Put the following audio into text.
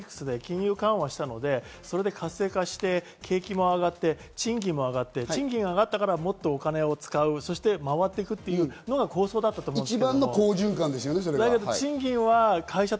モーリさ大きく見ると、そもそもアベノミクスで金融緩和したので、それで活性化して景気も上がって、賃金も上がって、賃金が上がったから、もっとお金を使う、回っていくというのが構想だったと思います。